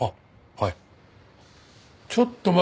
はい？